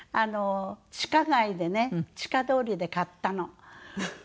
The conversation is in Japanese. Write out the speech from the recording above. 地下街でね地下通りで買ったの。